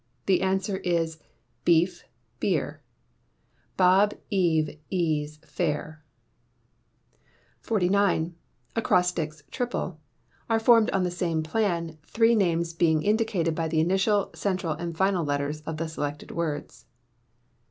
The answer is, Beef Beer: Bob, Eve, Ease, Fair. 49. Acrostics (Triple) are formed on the same plan, three names being indicated by the initial, central, and final letters of the selected words.